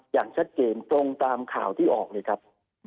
อย่างชัดเจนตรงตามข่าวที่ออกเลยครับ